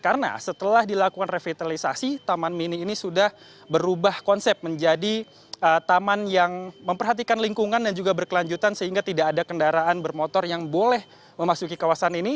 karena setelah dilakukan revitalisasi taman mini ini sudah berubah konsep menjadi taman yang memperhatikan lingkungan dan juga berkelanjutan sehingga tidak ada kendaraan bermotor yang boleh memasuki kawasan ini